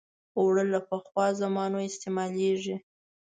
اوړه له پخوا زمانو استعمالېږي